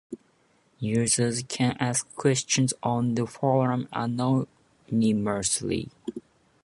Users can ask questions on the forum anonymously.